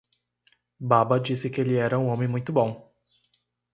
Baba disse que ele era um homem muito bom.